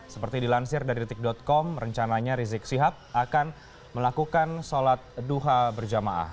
seperti dilansir dari detik com rencananya rizik sihab akan melakukan sholat duha berjamaah